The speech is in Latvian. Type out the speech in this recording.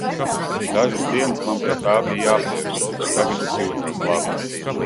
Dažas dienas man pie tā bija jāpierod, bet tagad es jūtos labi.